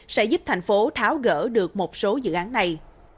sẽ giúp thành phố tháo gỡ được một số dự án này